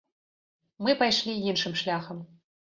Мы пайшлі іншым шляхам.